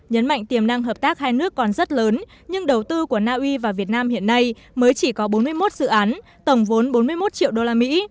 nhấn mạnh tiềm năng hợp tác hai nước còn rất lớn nhưng đầu tư của na uy và việt nam hiện nay mới chỉ có bốn mươi một dự án tổng vốn bốn mươi một triệu usd